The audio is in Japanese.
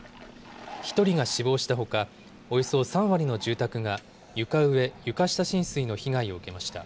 １人が死亡したほか、およそ３割の住宅が、床上・床下浸水の被害を受けました。